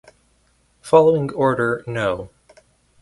Following Order no.